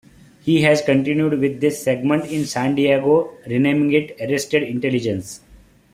He has continued with this segment in San Diego, renaming it "Arrested Intelligence".